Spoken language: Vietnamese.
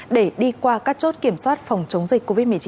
để đi qua các chốt kiểm soát phòng chống dịch covid một mươi chín